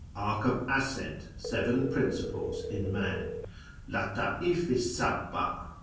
Arc of Ascent. Seven Principles in Man {Latd'if i sah ' a).